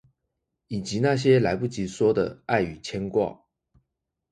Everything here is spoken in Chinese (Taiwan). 以及那些來不及說的愛與牽掛